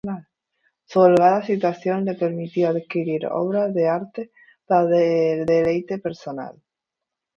Su holgada situación le permitió adquirir obras de arte para deleite personal.